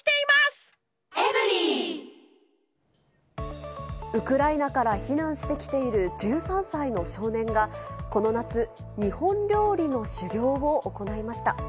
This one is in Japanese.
続くウクライナから避難してきている１３歳の少年が、この夏、日本料理の修業を行いました。